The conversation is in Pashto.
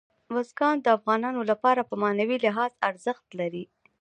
بزګان د افغانانو لپاره په معنوي لحاظ ارزښت لري.